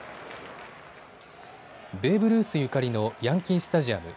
ベーブ・ルースゆかりのヤンキースタジアム。